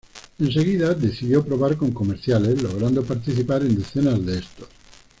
En seguida decidió probar con comerciales logrando participar en decenas de estos.